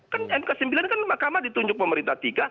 kan mk sembilan kan mahkamah ditunjuk pemerintah tiga